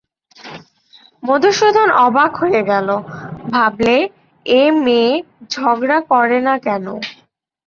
মধুসূদন অবাক হয়ে গেল, ভাবলে এ মেয়ে ঝগড়া করে না কেন!